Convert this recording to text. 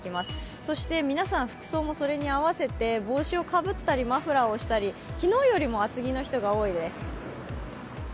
そして皆さん服装もそれに合わせて帽子をかぶったりマフラーをしたり、昨日よりも厚着の人が多いです。